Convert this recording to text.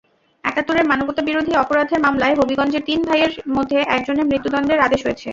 একাত্তরের মানবতাবিরোধী অপরাধের মামলায় হবিগঞ্জের তিন ভাইয়ের মধ্যে একজনের মৃত্যুদণ্ডের আদেশ হয়েছে।